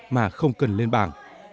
mà không cần lên bảng